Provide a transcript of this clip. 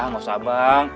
gak usah bang